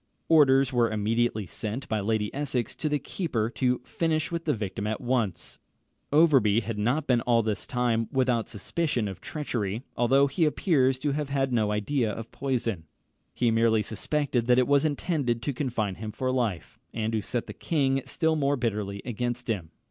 Orders were immediately sent by Lady Essex to the keeper to finish with the victim at once. Overbury had not been all this time without suspicion of treachery, although he appears to have had no idea of poison. He merely suspected that it was intended to confine him for life, and to set the king still more bitterly against him.